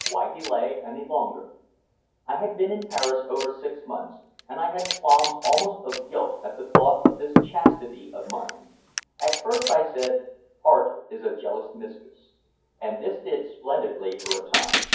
Why delay any longer? I had been in Paris over six months, and I had qualms almost of guilt at the thought of this chastity of mine. At first I said, "Art is a jealous mistress." And this did splendidly for a time.